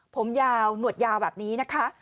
ผมยาวหนวดยาวแบบนี้นะคะ